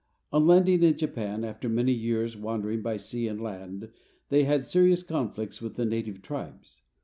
On landing in Japan, after many years wandering by sea and land, they had serious conflicts with the native tribes.